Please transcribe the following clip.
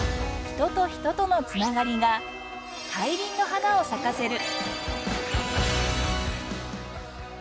人と人との繋がりが大輪の花を咲かせる。